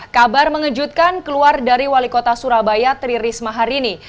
kabar mengejutkan keluar dari wali kota surabaya tri risma hari ini